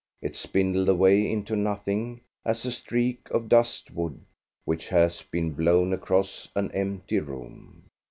It spindled away into nothing, as a streak of dust would which has been blown across an empty room.